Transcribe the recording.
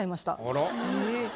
あら。